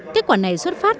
kết quả này xuất phát